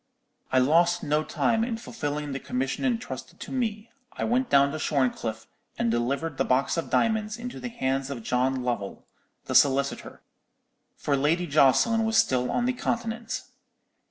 "I lost no time in fulfilling the commission intrusted to me. I went down to Shorncliffe, and delivered the box of diamonds into the hands of John Lovell, the solicitor; for Lady Jocelyn was still on the Continent.